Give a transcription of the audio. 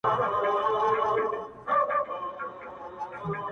پروت پر ګیله منو پېغلو شونډو پېزوان څه ویل-